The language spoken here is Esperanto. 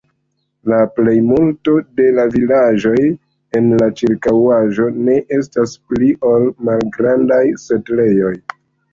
La plejmulto de la vilaĝoj en la ĉirkaŭaĵo ne estas pli ol malgrandaj setlejoj.